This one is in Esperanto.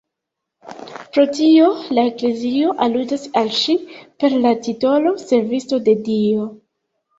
Pro tio, la Eklezio aludas al ŝi per la titolo Servisto de Dio.